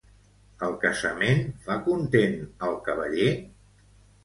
El casament fa content al cavaller?